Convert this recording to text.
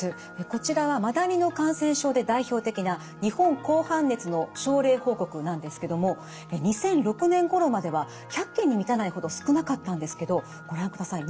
こちらはマダニの感染症で代表的な日本紅斑熱の症例報告なんですけども２００６年ごろまでは１００件に満たないほど少なかったんですけどご覧ください。